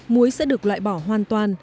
muối sẽ được loại bỏ hoàn toàn